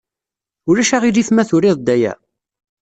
Ulac aɣilif ma turid-d aya?